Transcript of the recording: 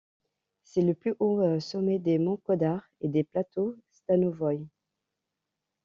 C'est le plus haut sommet des monts Kodar et des plateaux Stanovoï.